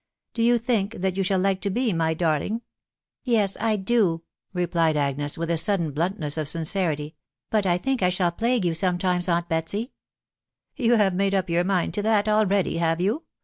u Do yon think that you shall like to be my darling ?"" Yes, I do/' replied Agnes, with the sudden hhmtness of sincerity ;" but I think I shall plague you sometimes, aunt Betsv" m " You have made up your mind to that already, have you?